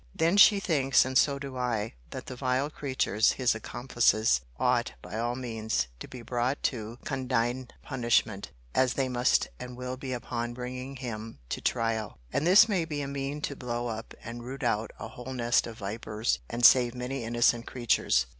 Then she thinks, and so do I, that the vile creatures, his accomplices, ought, by all means, to be brought to condign punishment, as they must and will be upon bringing him to trial: and this may be a mean to blow up and root out a whole nest of vipers, and save many innocent creatures.